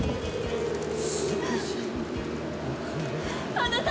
あなた。